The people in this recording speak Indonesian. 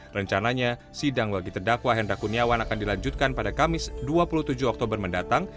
rencananya sidang bagi terdakwa hendra kuniawan akan dilanjutkan pada kamis dua puluh tujuh oktober mendatang